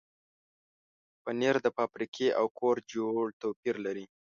پنېر د فابریکې او کور جوړ توپیر لري.